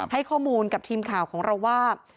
ให้ข้อมูลกับทีมข่าวของเราว่า